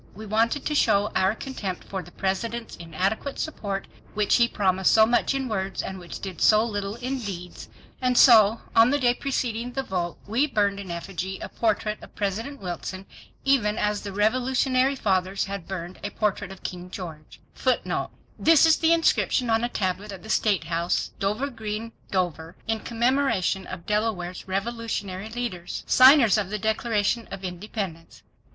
We wanted to show our contempt for the President's inadequate support which promised so much in words and which did so little in deeds to match the words. And so on the day preceding the vote we burned in effigy a portrait of President Wilson even as the Revolutionary fathers had burned a portrait of King George. This is the inscription on a tablet at the State House, Dover Green, Dover, in commemoration of Delaware's revolutionary leaders. Signers of the Declaration of Independence.